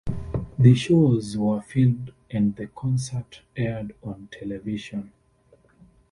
The shows were filmed and the concert aired on television.